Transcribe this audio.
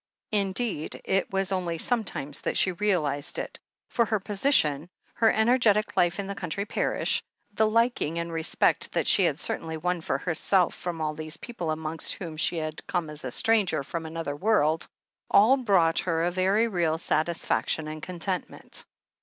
Indeed, it was only sometimes that she realized it, for her position, her energetic life in the cotmtry parish, the liking and respect that she had certainly won for herself from all these people amongst whom she had come as a stranger from another world, all brought her a very real satisfaction and contentment.